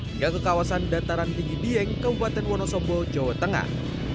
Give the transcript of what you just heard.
hingga ke kawasan dataran tinggi dieng kabupaten wonosobo jawa tengah